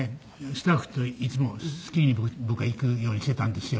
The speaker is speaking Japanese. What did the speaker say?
スタッフといつもスキーに僕は行くようにしてたんですよ。